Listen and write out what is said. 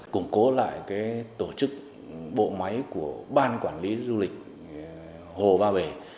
củng cố lại tổ chức bộ máy của ban quản lý du lịch hồ ba bể